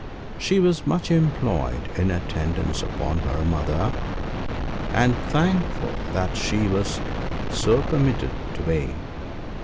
She was much employed in attendance upon her mother, and thankful that she was so permitted to be.